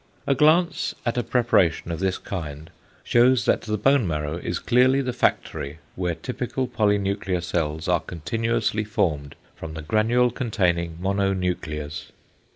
A glance at a preparation of this kind shews that the bone marrow is clearly the factory where typical polynuclear cells are continuously formed from the granule containing mononuclears.